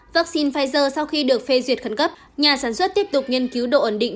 vaccine pfizer sau khi được phê duyệt khẩn cấp nhà sản xuất tiếp tục nghiên cứu độ ẩn định